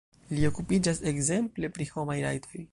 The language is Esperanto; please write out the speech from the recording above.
Li okupiĝas ekzemple pri homaj rajtoj.